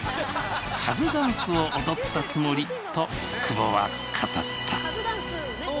「カズダンスを踊ったつもり」と久保は語った。